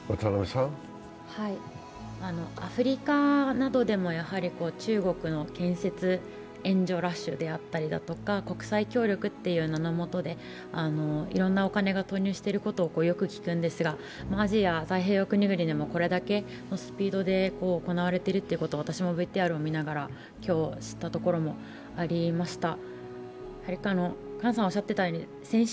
アフリカなどでも、やはり中国の建設援助ラッシュであったりとか国際協力という名のもとでいろんなお金が投入していることをよく聞くんですがアジア太平洋の国々でもこれだけのスピードで行われているということを私もＶＴＲを見ながら今日、知ったところもありました。